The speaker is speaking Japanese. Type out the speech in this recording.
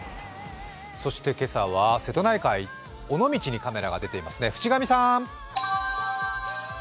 そして今朝は瀬戸内海、尾道にカメラが出ていますね、渕上さん。